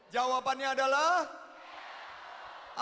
jawabannya adalah ewako